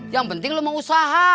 yang penting lo mengusaha